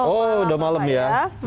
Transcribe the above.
oh udah malam ya